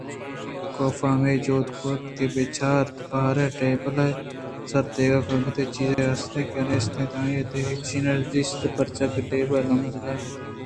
کاف ہمے جہد ءَ اَت کہ بہ چاریت باریں ٹیبل ءِ سرءَ دگہ کاگدے چیزے است یاکہ نیست بلئے آئی ءَدگہ ہچی نہ دیست پرچا کہ ٹیبل ءِ لمب برز اَت